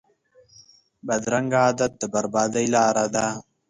بدرنګه عادت د بربادۍ لاره ده